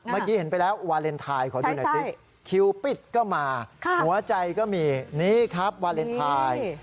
เมื่อกี้เห็นไปแล้ววาเลนไทยขอดูหน่อยสิคิวปิดก็มาหัวใจก็มีนี่ครับวาเลนไทย